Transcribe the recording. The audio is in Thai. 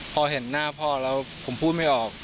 พอเห็นหน้าพ่อแล้วผมพูดไม่ออก